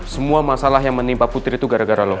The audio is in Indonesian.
semua masalah yang menimpa putri itu gara gara loh